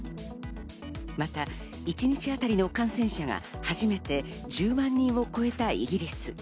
また一日当たりの感染者が初めて１０万人を超えたイギリス。